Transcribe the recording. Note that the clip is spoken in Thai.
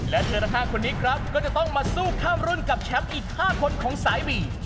และเธอทั้ง๕คนนี้ครับก็จะต้องมาสู้ข้ามรุ่นกับแชมป์อีก๕คนของสายบี